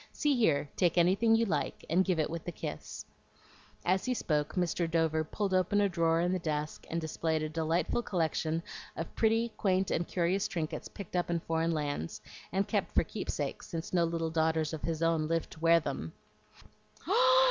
See here; take anything you like, and give it with the kiss." As he spoke, Mr. Dover pulled open a drawer in the desk and displayed a delightful collection of pretty, quaint, and curious trinkets picked up in foreign lands, and kept for keepsakes, since no little daughters of his own lived to wear them.